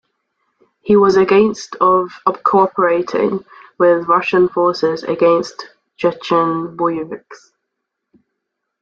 He was against of cooperating with Russian forces against Chechen Boeviks.